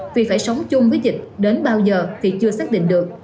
vì phải sống chung với dịch đến bao giờ thì chưa xác định được